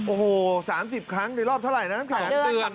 โอ้โห๓๐ครั้งในรอบเท่าไหร่นะน้ำแข็ง